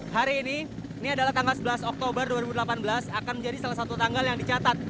hari ini ini adalah tanggal sebelas oktober dua ribu delapan belas akan menjadi salah satu tanggal yang dicatat